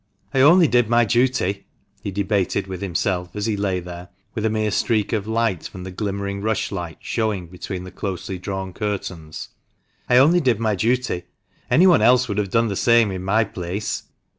" I only did my duty," he debated with himself, as he lay there, with a mere streak of light from the glimmering rushlight showing between the closely drawn curtains —" I only did my duty. Any one else would have done the same in my place.